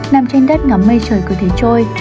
nằm trên đất ngắm mây trời cười thế trôi